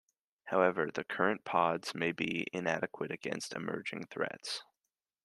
However, the current pods may be inadequate against emerging threats.